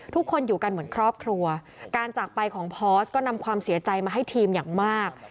ทุกคนอยู่กันเหมือนครอบครัวการจากไปของพอร์สก็นำความเสียใจมาให้ทีมอย่างมาก